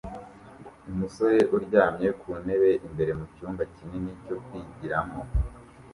umusore uryamye ku ntebe imbere mucyumba kinini cyo kwigiramo